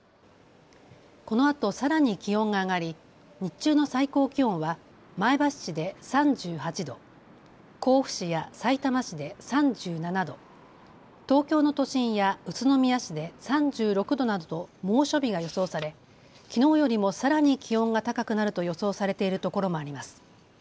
このあとさらに気温が上がり日中の最高気温は前橋市で３８度、甲府市やさいたま市で３７度、東京の都心や宇都宮市で３６度などと猛暑日が予想されきのうよりもさらに気温が高くなると予想されているところもあります。